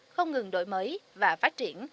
không ngừng đổi mới và phát triển